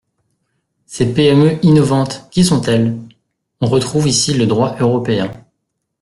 Ces PME innovantes, qui sont-elles ? On retrouve ici le droit européen.